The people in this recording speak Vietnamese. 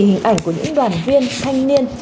hình ảnh của những đoàn viên thanh niên